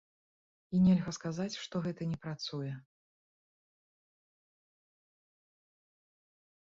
І нельга сказаць, што гэта не працуе.